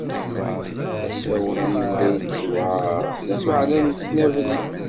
Asawen ibda yettewɛaṛ, lameɛna nessen abrid.